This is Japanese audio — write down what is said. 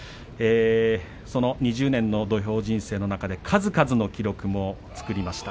その２０年の土俵人生の中で数々の記録も作りました。